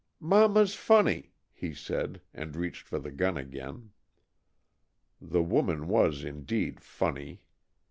"Mama's funny," he said, and reached for the gun again. The woman was indeed "funny."